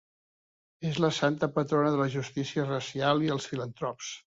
És la santa patrona de la justícia racial i els filantrops.